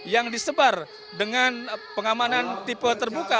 yang disebar dengan pengamanan tipe terbuka